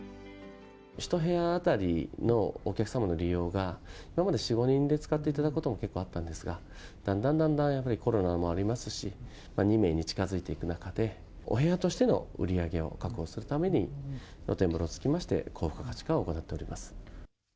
１部屋当たりのお客様の利用が、今まで４、５人で使っていただくことも結構あったんですが、だんだんだんだんやはりコロナもありますし、２名に近づいていく中で、お部屋としての売り上げを確保するために、露天風呂を付けまして、高付加価値化を行っております。